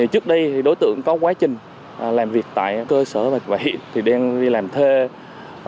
trước đây thì đối tượng có quá trình làm việc tại cơ sở và hiện thì đang đi làm thê ở khánh vĩnh